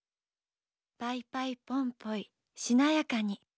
パイパイポンポイしなやかに。